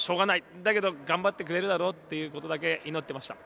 だけど頑張ってくれるだろうということだけ祈っていました。